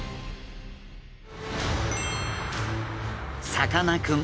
さかなクン